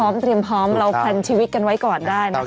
พร้อมเตรียมพร้อมเราแพลนชีวิตกันไว้ก่อนได้นะคะ